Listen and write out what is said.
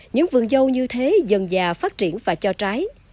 những vườn dâu như thế dần dà phát triển và cho trái